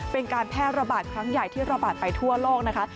เป็นการแพร่ระบาดครั้งใหญ่ที่ระบาดไปทั่วโลกนะคะ